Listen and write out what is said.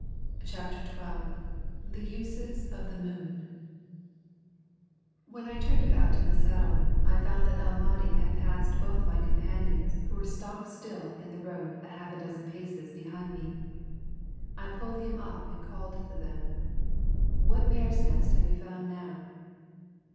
CHAPTER XII THE USES OF THE MOON When I turned about in the saddle I found that El Mahdi had passed both of my companions who were stock still in the road a half dozen paces behind me. I pulled him up and called to them, "What mare's nest have you found now?"